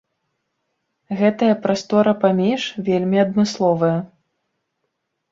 Гэтая прастора паміж вельмі адмысловая.